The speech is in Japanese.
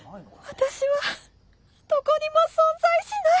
私はどこにも存在しない。